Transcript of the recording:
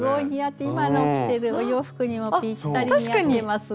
今の着てるお洋服にもぴったり似合ってますね。